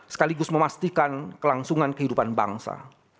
sekaligus memastikan kelangsungan kehidupan bangsa